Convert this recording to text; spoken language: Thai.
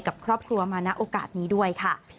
กับครอบครัวมาณโอกาสนี้ด้วยค่ะ